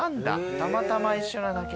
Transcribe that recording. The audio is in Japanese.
たまたま一緒なだけ。